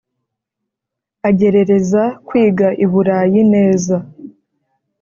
agerereza kwiga iburayi neza